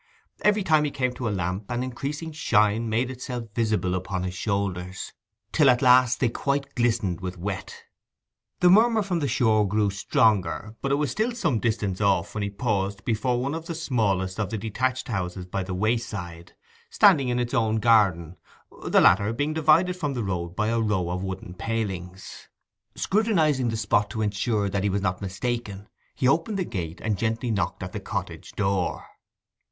Every time he came to a lamp an increasing shine made itself visible upon his shoulders, till at last they quite glistened with wet. The murmur from the shore grew stronger, but it was still some distance off when he paused before one of the smallest of the detached houses by the wayside, standing in its own garden, the latter being divided from the road by a row of wooden palings. Scrutinizing the spot to ensure that he was not mistaken, he opened the gate and gently knocked at the cottage door.